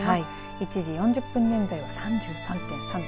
１時４０分現在は３３．３度。